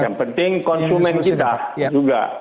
yang penting konsumen kita juga